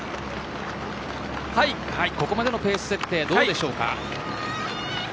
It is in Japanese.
ここまでのペース設定どうでしょうか。